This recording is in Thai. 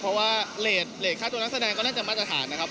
เพราะว่าเลสค่าตัวนักแสดงก็น่าจะมาตรฐานนะครับ